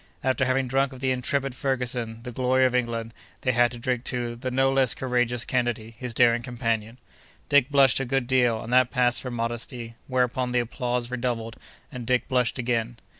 After having drunk to the "intrepid Ferguson, the glory of England," they had to drink to "the no less courageous Kennedy, his daring companion." Dick blushed a good deal, and that passed for modesty; whereupon the applause redoubled, and Dick blushed again.